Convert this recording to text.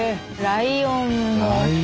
ライオン。